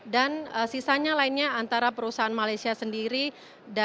dan sisanya lainnya antara perusahaan malaysia sendiri dan juga dengan amerika tenggara